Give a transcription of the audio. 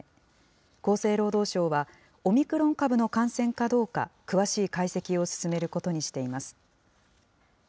厚生労働省は、オミクロン株の感染かどうか、詳しい解析を進めることにしています。